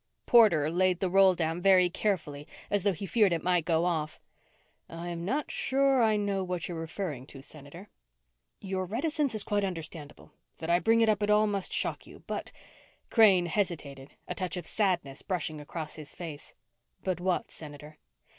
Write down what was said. Porter laid the roll down very carefully, as though he feared it might go off. "I'm not sure I know what you're referring to, Senator." "Your reticence is quite understandable. That I bring it up at all must shock you, but " Crane hesitated, a touch of sadness brushing across his face. "But what, Senator?"